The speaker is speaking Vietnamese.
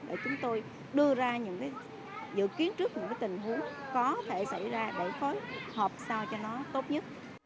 để chúng tôi đưa ra những dự kiến trước những tình huống có thể xảy ra để phối hợp sao cho nó tốt nhất